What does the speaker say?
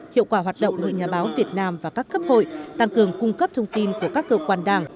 hiệu quả hoạt động đội nhà báo việt nam và các cấp hội tăng cường cung cấp thông tin của các cơ quan đảng